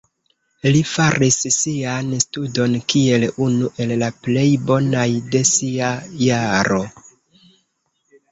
Li faris sian studon kiel unu el la plej bonaj de sia jaro.